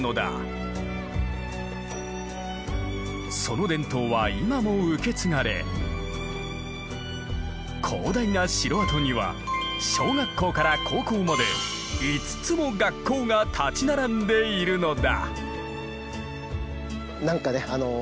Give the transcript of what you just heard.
その伝統は今も受け継がれ広大な城跡には小学校から高校まで５つも学校が立ち並んでいるのだ！